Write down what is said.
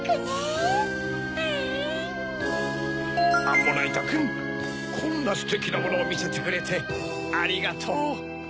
アンモナイトくんこんなステキなものをみせてくれてありがとう！